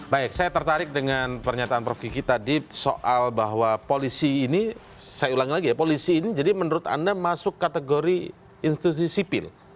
baik saya tertarik dengan pernyataan prof kiki tadi soal bahwa polisi ini saya ulangi lagi ya polisi ini jadi menurut anda masuk kategori institusi sipil